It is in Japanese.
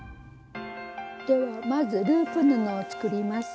ではまずループ布を作ります。